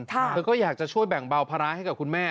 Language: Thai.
เธอก็อยากจะช่วยแบ่งเบาภาระให้กับคุณแม่